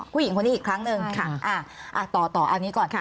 ผู้หญิงคนนี้อีกครั้งหนึ่งค่ะอ่าอ่าต่อต่อเอานี้ก่อนค่ะ